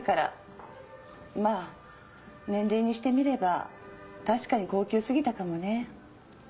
まあ年齢にしてみれば確かに高給すぎたかもね。